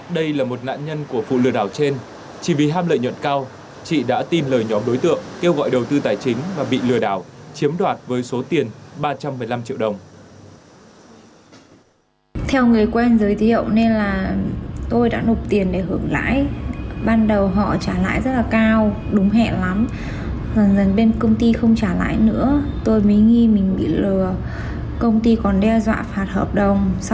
đây là một nạn nhân của phụ lừa đảo trên chỉ vì ham lợi nhuận cao chị đã tìm lời nhóm đối tượng kêu gọi đầu tư tài chính và bị lừa đảo chiếm đoạt với số tiền ba trăm một mươi năm triệu đồng